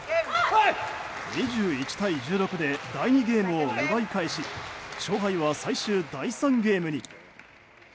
２１対１６で第２ゲームを奪い返し勝敗は、最終第３ゲームに。